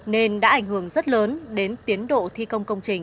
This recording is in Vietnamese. nên đã ảnh hưởng rất lớn đến tiến độ thi công công trình